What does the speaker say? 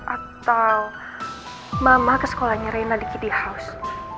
atau mama ke sekolahnya rena di kitty house